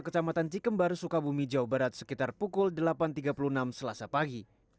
kecamatan cikembar sukabumi jawa barat sekitar pukul delapan tiga puluh enam selasa pagi